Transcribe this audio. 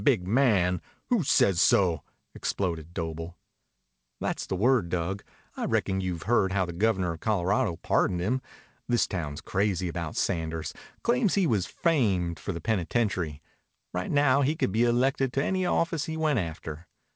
"Big man! Who says so?" exploded Doble. "That's the word, Dug. I reckon you've heard how the Governor of Colorado pardoned him. This town's crazy about Sanders. Claims he was framed for the penitentiary. Right now he could be elected to any office he went after."